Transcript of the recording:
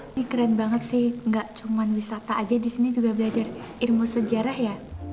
ini keren banget sih nggak cuma wisata aja disini juga belajar ilmu sejarah ya